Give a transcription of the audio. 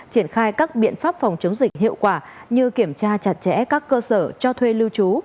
triển khai các biện pháp phòng chống dịch hiệu quả như kiểm tra chặt chẽ các cơ sở cho thuê lưu trú